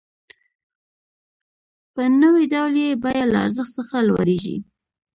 په نوي ډول یې بیه له ارزښت څخه لوړېږي